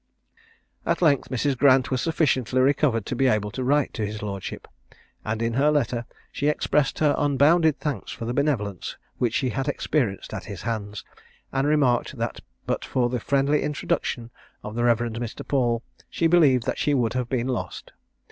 At length Mrs. Grant was sufficiently recovered to be able to write to his lordship, and in her letter she expressed her unbounded thanks for the benevolence which she had experienced at his hands, and remarked that but for the friendly introduction of the Rev. Mr. Paul, she believed that she would have been lost.